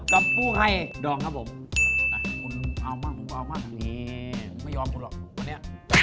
กลับพลุงให้ดองครับผมเอามากก็เอามากแบบนี้ไม่ยอมกันหรอกวันนี้